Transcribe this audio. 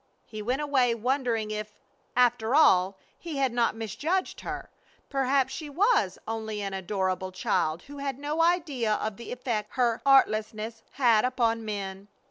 He went away wondering if, after all, he had not misjudged her. Perhaps she was only an adorable child who had no idea of the effect her artlessness had upon men.